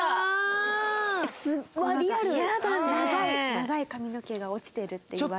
長い髪の毛が落ちてるって言われた。